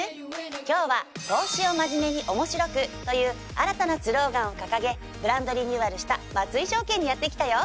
今日は「投資をまじめに、おもしろく。」という新たなスローガンを掲げブランドリニューアルした松井証券にやって来たよ！